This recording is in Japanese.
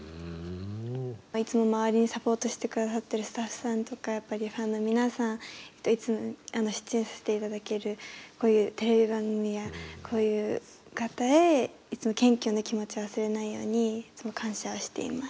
いつも周りでサポートして下さってるスタッフさんとかファンの皆さん出演させて頂けるこういうテレビ番組やこういう方へいつも謙虚な気持ちを忘れないようにいつも感謝しています。